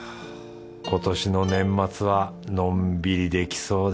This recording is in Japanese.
今年の年末はのんびりできそうだ